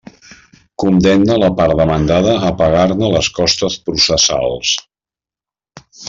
Condemne la part demandada a pagar-ne les costes processals.